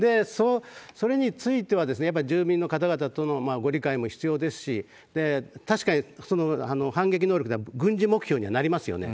それについては、やっぱ住民の方々とのご理解も必要ですし、確かに反撃能力は軍事目標にはなりますよね。